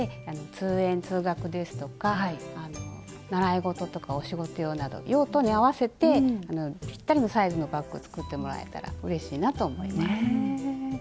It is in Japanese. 通園・通学ですとか習い事とかお仕事用など用途に合わせてぴったりのサイズのバッグを作ってもらえたらうれしいなと思います。